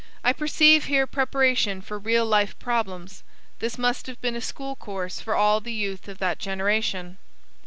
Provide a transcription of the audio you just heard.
I perceive here preparation for real life problems. This must have been a school course for all the Youth of that generation."